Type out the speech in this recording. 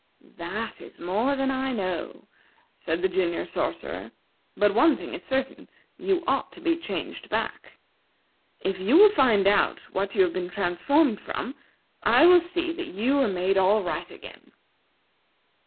"That is more than I know," said the Junior Sorcerer. "But one thing is certain you ought to be changed back. If you will find out what you have been transformed from, I will see that you are made all right again.